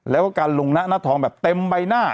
แล้วก็การลงหน้าทองแบบเต็มใบหน้า